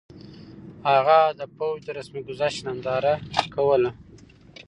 هغه د پوځ د رسم ګذشت ننداره کوله.